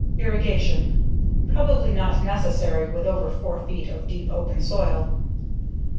Irrigation: Probably not necessary with over 4 feet of deep, open soil.